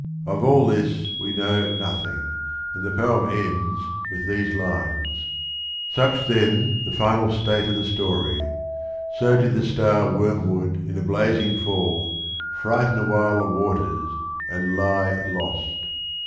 Of all this we know nothing, and the poem ends with these lines: 14 210 THE RING AND THE BOOK ." Such, then, the final state o' the story. So Did the Star Wormwood in a blazing fall Frighten awhile the waters and lie lost.